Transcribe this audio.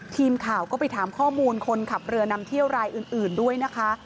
ทีมข่าวก็ไปถามข้อมูลคนขับเรือนำเที่ยวรายอื่นด้วยนะคะ